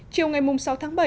chiều ngày sáu tháng bảy